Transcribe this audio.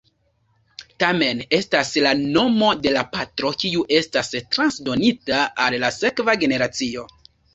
Tamen estas la nomo de la patro kiu estas transdonita al la sekva generacio.